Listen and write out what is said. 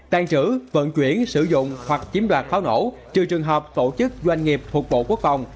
tàn trữ vận chuyển sử dụng hoặc chiếm đoạt pháo nổ trừ trường hợp tổ chức doanh nghiệp thuộc bộ quốc phòng